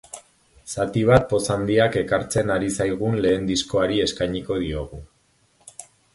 Zati bat poz handiak ekartzen ari zaigun lehen diskoari eskainiko diogu.